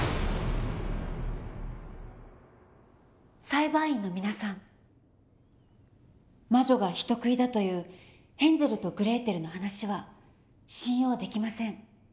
裁判員の皆さん魔女が人食いだというヘンゼルとグレーテルの話は信用できません。